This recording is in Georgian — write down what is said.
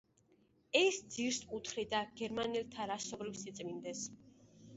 ეს ძირს უთხრიდა გერმანელთა რასობრივ სიწმინდეს.